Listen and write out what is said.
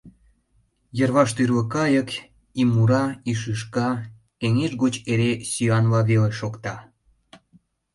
Йырваш тӱрлӧ кайык и мура, и шӱшка, кеҥеж гоч эре сӱанла веле шокта.